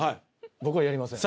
僕はやりません